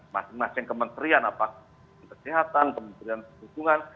masing masing kementerian apa kesehatan kementerian perhubungan